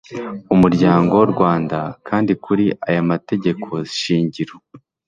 umuryango rwanda kandi kuri aya mategeko shingiro